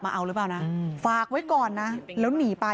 ปี๖๕วันเกิดปี๖๔ไปร่วมงานเช่นเดียวกัน